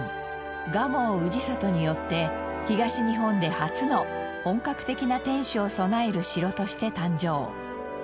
蒲生氏郷によって東日本で初の本格的な天守を備える城として誕生。